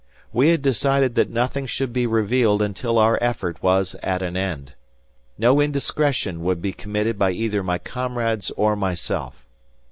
We had decided that nothing should be revealed until our effort was at an end. No indiscretion would be committed by either my comrades or myself.